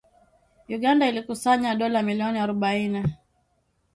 Uganda ilikusanya dola milioni arobaine